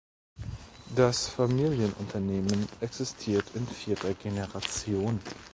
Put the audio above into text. Das Familienunternehmen existiert in vierter Generation.